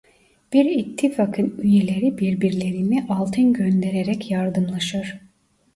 Bir ittifakın üyeleri birbirlerine altın göndererek yardımlaşır.